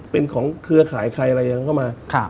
เป็นของเครือขายใครอะไรอย่างนั้นเข้ามา